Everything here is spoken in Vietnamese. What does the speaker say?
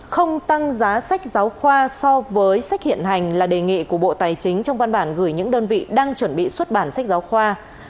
không tăng giá sách giáo khoa so với sách hiện hành là đề nghị của bộ tài chính trong văn bản gửi những đơn vị đang chuẩn bị xuất bản sách giáo khoa